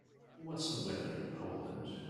What's the weather in Poland?